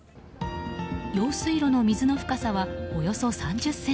用水路の水の深さはおよそ３０ｃｍ。